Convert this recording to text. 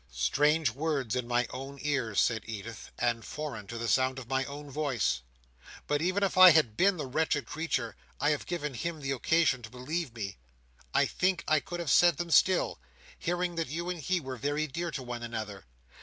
"Strange words in my own ears," said Edith, "and foreign to the sound of my own voice! But even if I had been the wretched creature I have given him occasion to believe me, I think I could have said them still, hearing that you and he were very dear to one another.